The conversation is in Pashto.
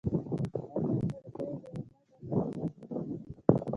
دا هم خپل ځای دی او ما کاکا فرض کړه.